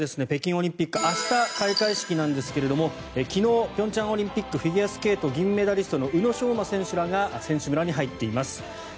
北京オリンピック明日開会式なんですけども昨日、平昌オリンピックフィギュアスケート銀メダリストの宇野昌磨選手らが選手村に入っています。